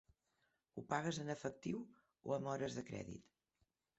Ho pagues en efectiu o amb hores de crèdit?